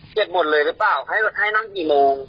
หมดเลยหรือเปล่าให้นั่งกี่โมง